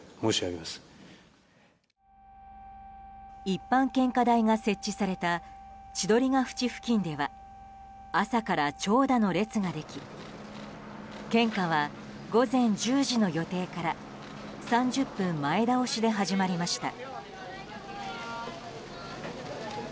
一般献花台が設置された千鳥ケ淵付近では朝から長蛇の列ができ献花は午前１０時の予定から３０分前倒しで始まりました。